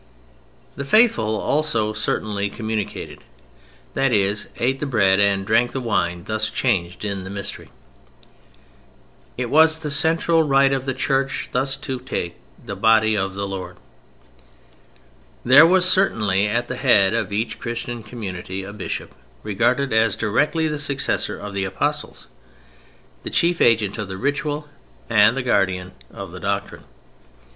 The faithful also certainly communicated, that is, eat the Bread and drank the Wine thus changed in the Mystery. It was the central rite of the Church thus to take the Body of the Lord. There was certainly at the head of each Christian community a bishop: regarded as directly the successor of the Apostles, the chief agent of the ritual and the guardian of doctrine.